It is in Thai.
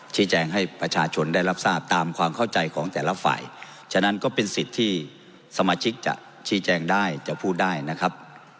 ชี้แจงให้ประชาชนได้รับทราบตามความเข้าใจของแต่ละฝ่ายฉะนั้นก็เป็นสิทธิ์ที่สมาชิกจะชี้แจงได้จะพูดได้นะครับ